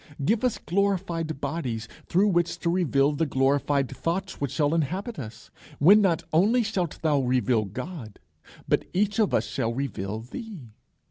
Give us glorified bodies through which to reveal the glorified thoughts which shall then inhabit us, when not only shalt thou reveal God, but each of us shall reveal thee.